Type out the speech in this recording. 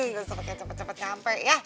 gak usah pake cepet cepet nyampe ya